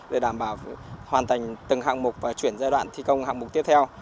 để đảm bảo hoàn thành từng hạng mục và chuyển giai đoạn thi công hạng mục tiếp theo